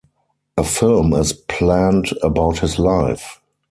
A film is planned about his life.